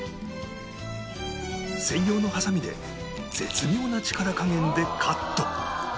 専用のはさみで絶妙な力加減でカット